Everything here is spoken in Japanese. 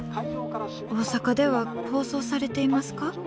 大阪では放送されていますか？」。